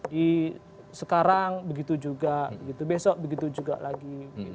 di sekarang begitu juga besok begitu juga lagi